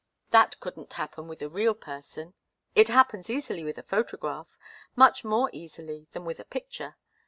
That couldn't happen with a real person. It happens easily with a photograph much more easily than with a picture.